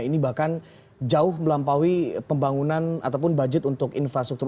ini bahkan jauh melampaui pembangunan ataupun budget untuk infrastruktur